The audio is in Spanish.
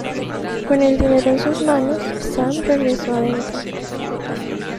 Con el dinero en sus manos, Sam regresó a Denton.